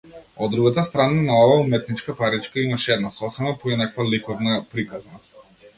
Од другата страна на оваа уметничка паричка, имаше една сосема поинаква ликовна приказна.